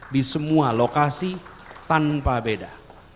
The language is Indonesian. di semua lokasi tanpa beda